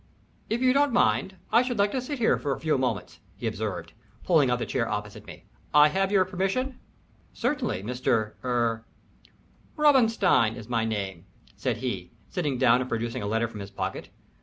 "If you don't mind, I should like to sit here for a few moments," he observed, pulling out the chair opposite me. "I have your permission?" "Certainly, Mr. er " "Robinstein is my name," said he, sitting down, and producing a letter from his pocket.